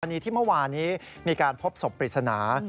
อันนี้ที่เมื่อวานี้มีการพบศพปริศนา